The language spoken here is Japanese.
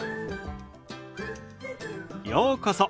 ようこそ。